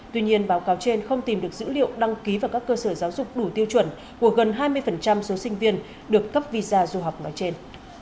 tuy nhiên báo cáo trên không tìm được dữ liệu đăng ký vào các cơ sở giáo dục đủ tiêu chuẩn của gần hai mươi số sinh viên được cấp visa du học nói trên